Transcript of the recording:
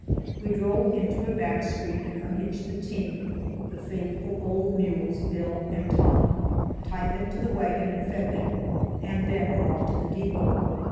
We drove into a back street and unhitched the team the faithful old mules, Bill and Tom, tied them to the wagon and fed them, and then walked to the depot.